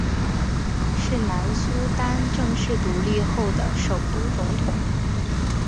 是南苏丹正式独立后的首任总统。